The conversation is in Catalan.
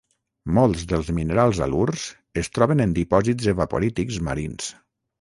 Molts dels minerals halurs es troben en dipòsits evaporítics marins.